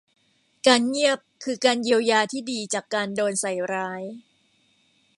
การเงียบคือการเยียวยาที่ดีจากการโดนใส่ร้าย